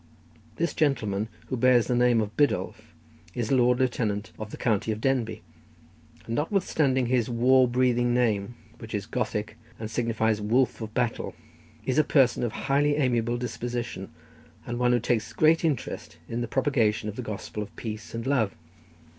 This gentleman, who bears the name of Biddulph, is Lord Lieutenant of the county of Denbigh, and notwithstanding his war breathing name, which is Gothic, and signifies Wolf of Battle, is a person of highly amiable disposition, and one who takes great interest in the propagation of the Gospel of peace and love.